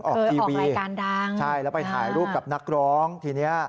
เคยออกทีวีใช่แล้วไปถ่ายรูปกับนักร้องทีนี้